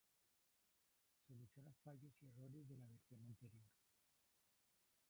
Soluciona fallos y errores de la versión anterior.